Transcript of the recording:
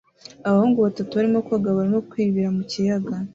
Abahungu batatu bari mu koga barimo kwibira mu kiyaga